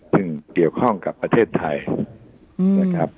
ซึ่งเกี่ยวข้องกับประเทศไทย